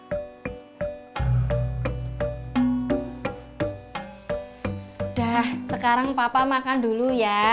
udah sekarang bapak makan dulu ya